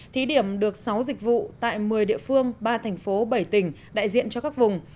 thí điểm được sáu dịch vụ tại một mươi địa phương ba thành phố bảy tỉnh đại diện cho các vùng